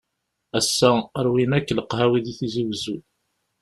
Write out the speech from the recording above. Ass-a, rwin akk leqhawi di Tizi Wezzu.